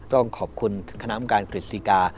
ต้องขอบคุณคณามการกฤติกา